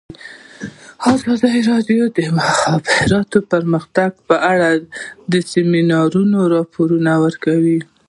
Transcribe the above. ازادي راډیو د د مخابراتو پرمختګ په اړه د سیمینارونو راپورونه ورکړي.